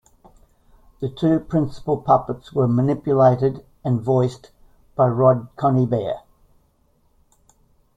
The two principal puppets were manipulated and voiced by Rod Coneybeare.